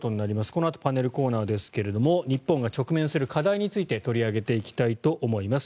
このあとパネルコーナーですが日本が直面する課題について取り上げていきたいと思います。